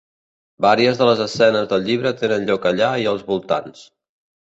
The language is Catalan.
Vàries de les escenes del llibre tenen lloc allà i als voltans.